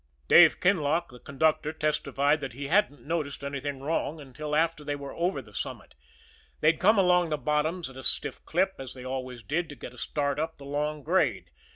Dave Kinlock, the conductor, testified that he hadn't noticed anything wrong until after they were over the summit they'd come along the bottoms at a stiff clip, as they always did, to get a start up the long grade.